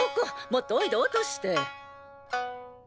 もっとおいど落として！